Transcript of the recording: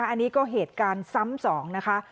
อันนี้ก็เหตุการณ์ซ้ำสองนะคะ